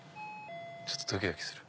ちょっとドキドキする。